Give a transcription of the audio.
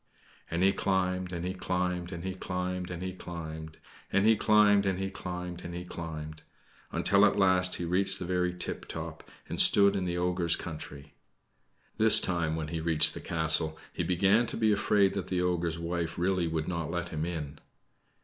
And he climbed, and he climbed, and he climbed, and he climbed, and he climbed, and he climbed, and he climbed until at last he reached the very tiptop, and stood in the ogre's country. This time when he reached the castle he began to be afraid that the ogre's wife really would not let him in.